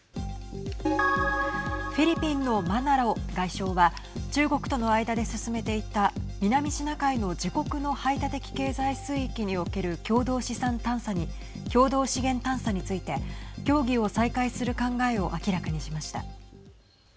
フィリピンのマナロ外相は中国との間で進めていた南シナ海の自国の排他的経済水域における共同資源探査について協議を再開する考えを明らかにしました。